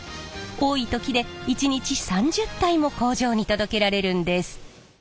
多い時で一日３０体も工場に届けられるんです！